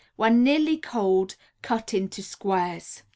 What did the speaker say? When nearly cold cut into squares.